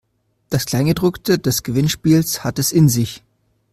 Das Kleingedruckte des Gewinnspiels hat es in sich.